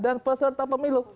dan peserta pemilu